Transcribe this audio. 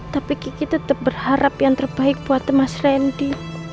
bagi kita tetap berharap yang terbaik buat mas randy